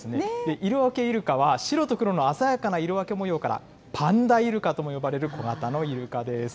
イロワケイルカは、白と黒の鮮やかな色分け模様からパンダイルカとも呼ばれる小型のイルカです。